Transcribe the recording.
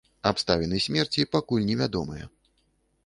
Абставіны смерці пакуль невядомыя.